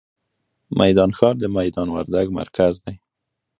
میدان ښار، د میدان وردګ مرکز دی.